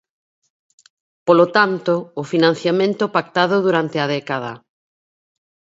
Polo tanto, o financiamento pactado durante a década.